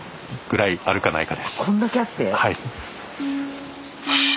はい。